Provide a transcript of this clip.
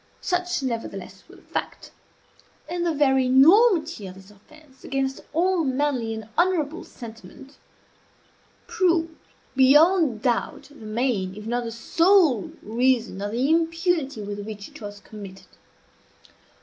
Such, nevertheless, was the fact. And the very enormity of this offence against all manly and honorable sentiment proved, beyond doubt, the main if not the sole reason of the impunity with which it was committed.